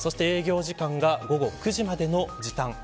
そして、営業時間が午後９時までの時短。